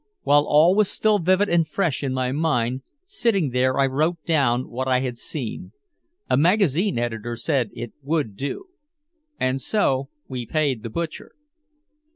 While all was still vivid and fresh in my mind, sitting there I wrote down what I had seen. A magazine editor said it would do. And so we paid the butcher.